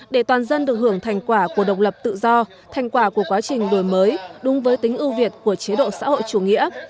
để toàn dân được hưởng thành quả của độc lập tự do thành quả của quá trình đổi mới đúng với tính ưu việt của chế độ xã hội chủ nghĩa